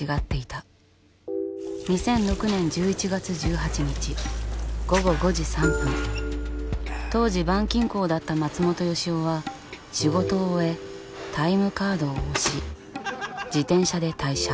２００６年１１月１８日午後５時３分当時板金工だった松本良夫は仕事を終えタイムカードを押し自転車で退社。